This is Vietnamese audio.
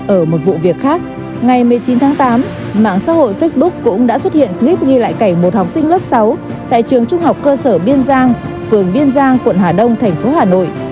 ở một vụ việc khác ngày một mươi chín tháng tám mạng xã hội facebook cũng đã xuất hiện clip ghi lại cảnh một học sinh lớp sáu tại trường trung học cơ sở biên giang phường biên giang quận hà đông thành phố hà nội